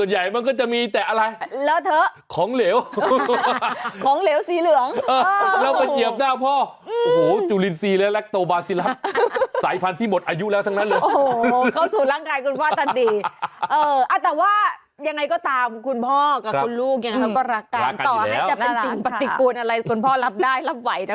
เหยียบหรือเปล่าเพราะเพราะเตียงเด็กส่วนใหญ่มันก็จะมีแต่อะไร